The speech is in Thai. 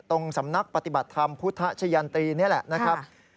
ตรงสำนักปฏิบัติธรรมพุทธชะยันตรีนี่แหละนะครับ